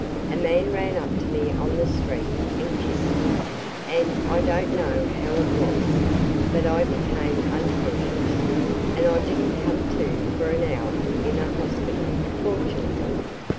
A man ran up to me on the street and kissed me and I don't know how it was but I became unconscious and I didn't come to for an hour in a hospital fortunately.